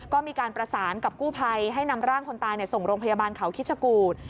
ก็มีการประสานกับกู้ภัยให้นำร่างคนตายส่งโรงพยาบาลเขาคิชกูธ